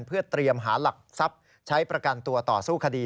เพื่อเตรียมหาหลักทรัพย์ใช้ประกันตัวต่อสู้คดี